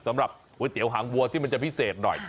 สำหรับก๋วยเตี๋ยวหางวัวที่มันจะพิเศษหน่อย